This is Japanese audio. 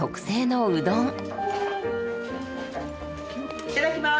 いただきます。